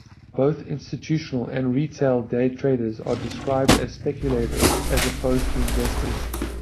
Both institutional and retail day traders are described as speculators, as opposed to investors.